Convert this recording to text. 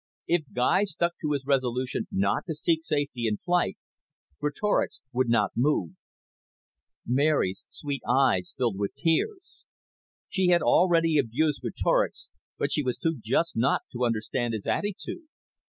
If Guy stuck to his resolution not to seek safety in flight, Greatorex would not move. Mary's sweet eyes filled with tears. She had already abused Greatorex, but she was too just not to understand his attitude.